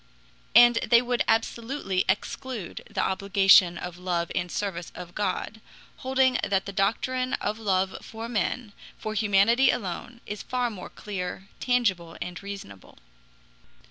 And they would absolutely exclude the obligation of love and service of God, holding that the doctrine of love for men, for humanity alone, is far more clear, tangible, and reasonable.